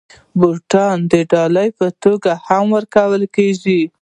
بوټونه د ډالۍ په توګه هم ورکول کېږي.